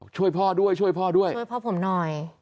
ช่วยพ่อด้วยช่วยพ่อด้วยช่วยพ่อผมหน่อย